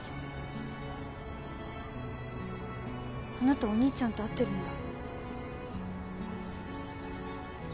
あなたお兄ちゃんと会ってるんだ。